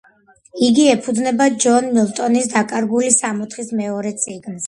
იგი ეფუძნება ჯონ მილტონის „დაკარგული სამოთხის“ მეორე წიგნს.